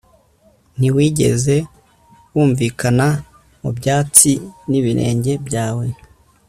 Ntiwigeze wumvikana mu byatsi nibirenge byawe